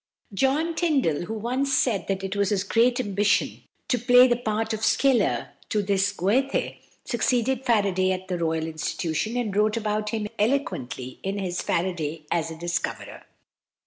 =John Tyndall (1820 1893)=, who once said that it was his great ambition to play the part of Schiller to this Goethe, succeeded Faraday at the Royal Institution, and wrote about him eloquently in his "Faraday as a Discoverer."